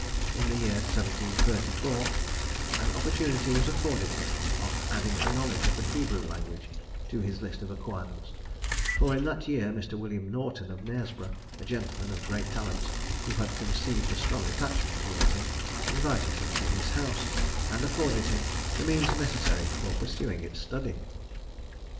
In the year 1734 an opportunity was afforded him of adding a knowledge of the Hebrew language to his list of acquirements; for in that year Mr. William Norton, of Knaresborough, a gentleman of great talents, who had conceived a strong attachment towards him, invited him to his house, and afforded him the means necessary for pursuing its study.